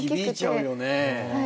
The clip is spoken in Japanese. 響いちゃうよね。